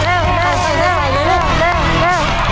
หนักสายหนักสายหนักสาย